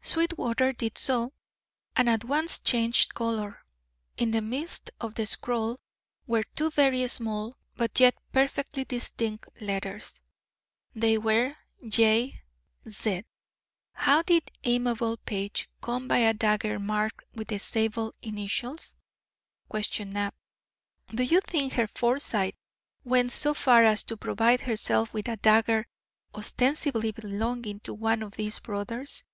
Sweetwater did so, and at once changed colour. In the midst of the scroll were two very small but yet perfectly distinct letters; they were J. Z. "How did Amabel Page come by a dagger marked with the Zabel initials?" questioned Knapp. "Do you think her foresight went so far as to provide herself with a dagger ostensibly belonging to one of these brothers?